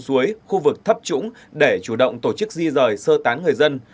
suối khu vực thấp trũng để chủ động tổ chức di rời sơ tán người dân